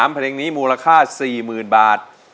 เพลงนี้มูลค่า๔๐๐๐บาท